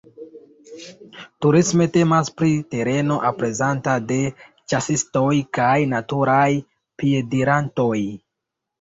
Turisme temas pri tereno aprezata de ĉasistoj kaj naturaj piedirantoj.